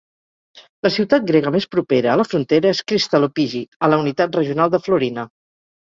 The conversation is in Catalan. La ciutat grega més propera a la frontera és Krystallopigi a la unitat regional de Florina.